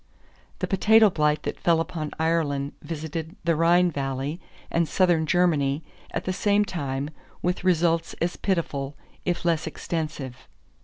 The potato blight that fell upon Ireland visited the Rhine Valley and Southern Germany at the same time with results as pitiful, if less extensive.